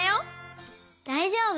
だいじょうぶ！